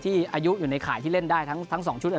อายุอยู่ในข่ายที่เล่นได้ทั้ง๒ชุด